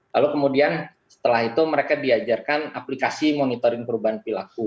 lalu kemudian setelah itu mereka diajarkan aplikasi monitoring perubahan perilaku